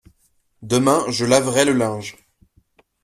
Demain je laverai le linge.